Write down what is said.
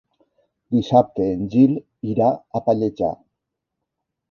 Dissabte en Gil irà a Pallejà.